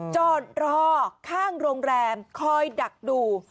จอดรอข้างโรงแรมคอยดักดู